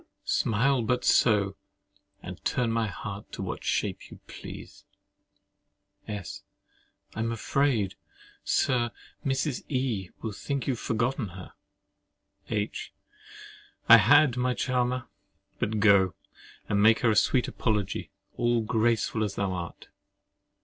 Smile but so, and turn my heart to what shape you please! S. I am afraid, Sir, Mrs. E—— will think you have forgotten her. H. I had, my charmer. But go, and make her a sweet apology, all graceful as thou art.